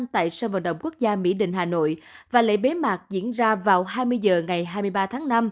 tại sân vận động quốc gia mỹ đình hà nội và lễ bế mạc diễn ra vào hai mươi h ngày hai mươi ba tháng năm